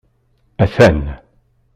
Atan!